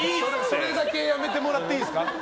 それだけやめてもらっていいですか？